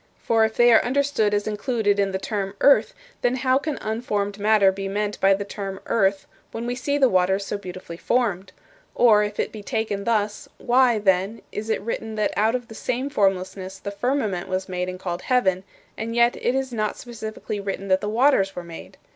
For if they are understood as included in the term 'earth,' then how can unformed matter be meant by the term 'earth' when we see the waters so beautifully formed? Or, if it be taken thus, why, then, is it written that out of the same formlessness the firmament was made and called heaven, and yet is it not specifically written that the waters were made?